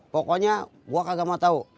pokoknya gue kagak mau tahu